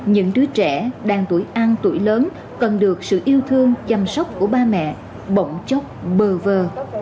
những đứa trẻ đang tuổi ăn tuổi lớn cần được sự yêu thương chăm sóc của ba mẹ bỗng chốc bờ vờ